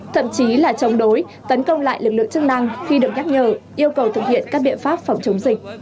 thậm chí là chống đối tấn công lại lực lượng chức năng khi được nhắc nhở yêu cầu thực hiện các biện pháp phòng chống dịch